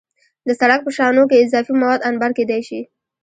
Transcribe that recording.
د سړک په شانو کې اضافي مواد انبار کېدای شي